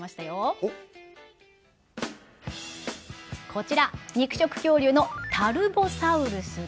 こちら肉食恐竜のタルボサウルスです。